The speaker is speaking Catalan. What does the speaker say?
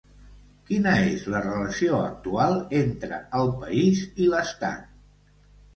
Quina és la relació actual entre el país i l'Estat?